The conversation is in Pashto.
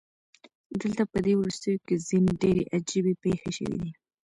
دلته پدې وروستیو کې ځینې ډیرې عجیبې پیښې شوې دي